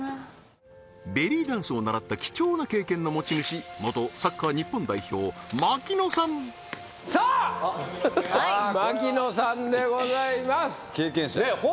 ベリーダンスを習った貴重な経験の持ち主元サッカー日本代表槙野さんさあ槙野さんでございますねえ